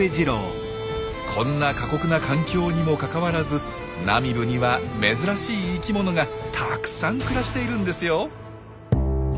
こんな過酷な環境にもかかわらずナミブには珍しい生きものがたくさん暮らしているんですよ。